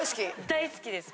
大好きです。